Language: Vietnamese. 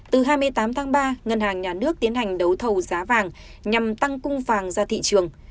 từ hai mươi tám tháng ba ngân hàng nhà nước tiến hành đấu thầu giá vàng nhằm tăng cung vàng ra thị trường